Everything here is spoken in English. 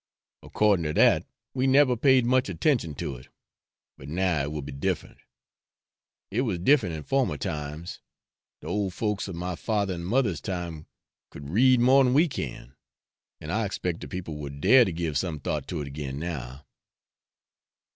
According to dat, we neber paid much attention to it, but now it will be different; it was different in former times. De old folks of my father and mother's time could read more than we can, and I expect de people will dare to give some thought to it again now.'